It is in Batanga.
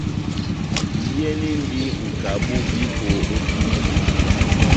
Iyɛnindi nʼkabu viko ό túbɛ.